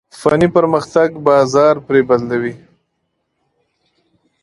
فني پرمختګ بازار پرې بدلوي.